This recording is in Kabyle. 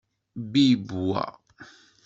Bibb wa.